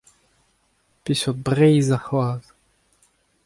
Peseurt Breizh arcʼhoazh ?